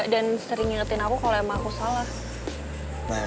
dan sering ingetin aku kalau emang aku salah